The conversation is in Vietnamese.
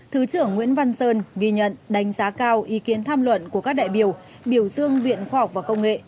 thứ trưởng nguyễn văn sơn ghi nhận đánh giá cao ý kiến tham luận của các đại biểu biểu dương viện khoa học và công nghệ